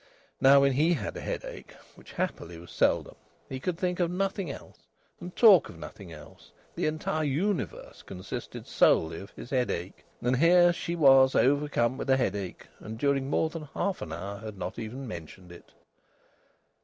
Now, when he had a headache which happily was seldom he could think of nothing else and talk of nothing else; the entire universe consisted solely of his headache. And here she was overcome with a headache, and during more than half an hour had not even mentioned it!